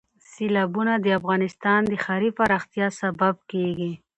سیلابونه د افغانستان د ښاري پراختیا سبب کېږي.